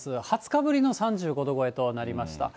２０日ぶりの３５度超えとなりました。